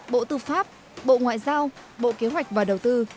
bộ tư pháp bộ ngoại giao bộ kế hoạch và đầu tư